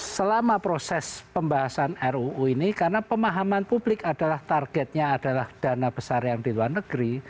selama proses pembahasan ruu ini karena pemahaman publik adalah targetnya adalah dana besar yang di luar negeri